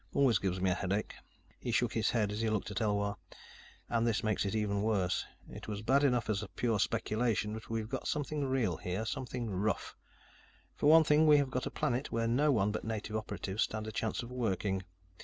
Always gives me a headache." He shook his head as he looked at Elwar. "And this makes it even worse. It was bad enough as pure speculation, but we've got something real here. Something rough. For one thing, we have got a planet where no one but native operatives stand a chance of working.